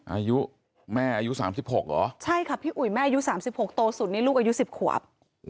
อายุแม่อายุ๓๖เหรอใช่ค่ะพี่อุ๋ยแม่อายุ๓๖โตสุดนี่ลูกอายุ๑๐ขวบ